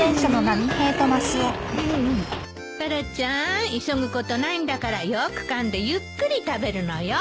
タラちゃん急ぐことないんだからよくかんでゆっくり食べるのよ。